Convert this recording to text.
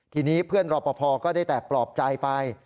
ทีนี้เพื่อนรอปภก็ได้แต่ปลอบใจไป